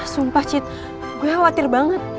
sumpah cit gue khawatir banget